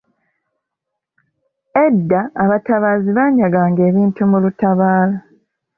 Edda abatabaazi banyaganga ebintu mu lutabaalo.